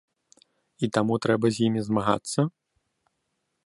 І таму трэба з імі змагацца?